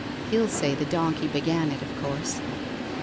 He'll say the donkey began it, of course.'